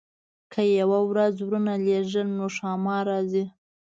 که یې یوه ورځ ورونه لېږله نو ښامار راځي.